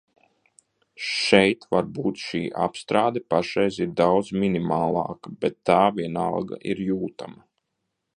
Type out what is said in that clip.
Šeit varbūt šī apstrāde pašreiz ir daudz minimālāka, bet tā, vienalga, ir jūtama.